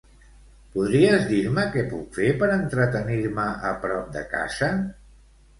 Podries dir-me què puc fer per entretenir-me prop de casa?